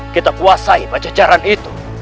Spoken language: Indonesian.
kita puasai pajajaran itu